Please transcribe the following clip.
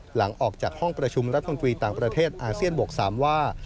หลังจากออกจากห้องประชุมรัฐมนตรีต่างประเทศอาเซียนบวก๓ว่า